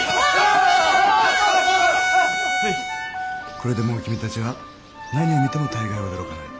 これでもう君たちは何を見ても大概驚かない。